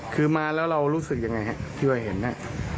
คือมาแล้วเรารู้สึกอย่างไรฮะที่ว่าเห็นนะ